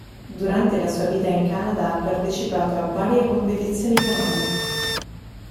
Durante la sua vita in Canada ha partecipato a varie competizioni canore.